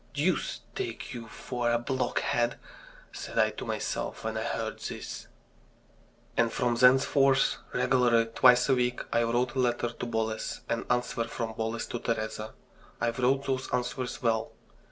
"Deuce take you for a blockhead!" said I to myself when I heard this. And from thenceforth, regularly, twice a week, I wrote a letter to Boles, and an answer from Boles to Teresa. I wrote those answers well...